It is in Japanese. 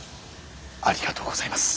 ありがとうございます。